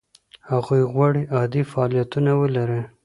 هغوی غواړي عادي فعالیتونه ولري.